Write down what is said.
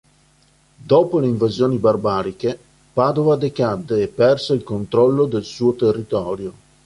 Dopo le invasioni barbariche, Padova decadde e perse il controllo del suo territorio.